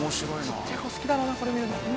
ちっちゃい子好きだろうなこれ見るの。